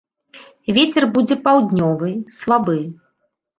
Вецер будзе паўднёвы, слабы.